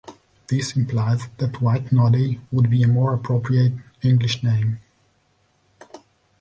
This implies that "white noddy" would be a more appropriate English name.